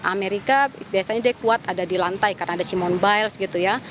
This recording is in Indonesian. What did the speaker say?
amerika biasanya dia kuat ada di lantai karena ada simon biles gitu ya